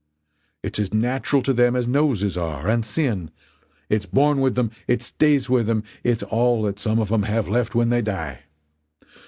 It's as natural to them as noses are and sin. It's born with them, it stays with them, it's all that some of them have left when they die.